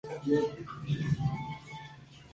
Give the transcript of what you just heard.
Sigue talk show con canción e su historia.